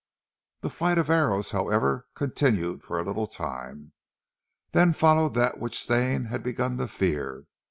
The flight of arrows, however, continued for a little time, then followed that which Stane had begun to fear.